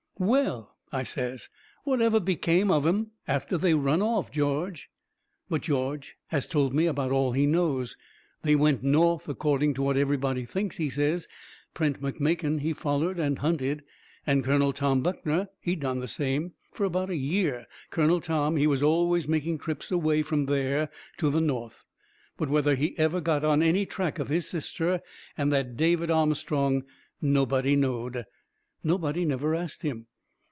"Well," I says, "what ever become of 'em after they run off, George?" But George has told about all he knows. They went North, according to what everybody thinks, he says. Prent McMakin, he follered and hunted. And Col. Tom Buckner, he done the same. Fur about a year Colonel Tom, he was always making trips away from there to the North. But whether he ever got any track of his sister and that David Armstrong nobody knowed. Nobody never asked him.